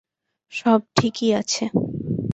সব ঠিকই আছে।